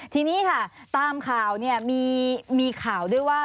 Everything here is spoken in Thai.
ทีนี้ค่ะตามข่าวเนี่ยมีข่าวด้วยว่า